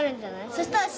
そしたら。